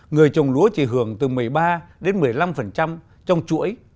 người trồng lúa chỉ hưởng từ một mươi ba đến một mươi năm trong chuỗi